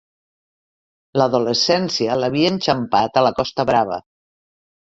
L'adolescència l'havia enxampat a la Costa Brava.